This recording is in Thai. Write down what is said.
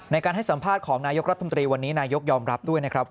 ให้สัมภาษณ์ของนายกรัฐมนตรีวันนี้นายกยอมรับด้วยนะครับ